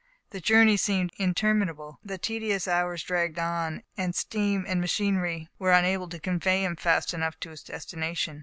The journey seemed interminable. The tedious hours dragged on, and steam and machinery were unable to convey him fast enough to his destination.